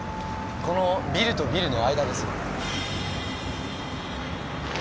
このビルとビルの間です。